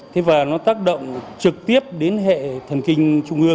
thế và nó tác động trực tiếp đến hệ thần kinh